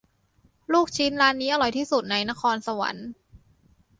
ลูกชิ้นร้านนี้อร่อยที่สุดในนครสวรรค์